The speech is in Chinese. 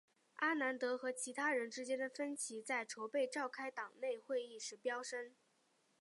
阿南德和其他人之间的分歧在筹备召开党内会议时飙升。